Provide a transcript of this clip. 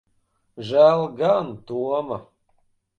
Žēl gan Toma.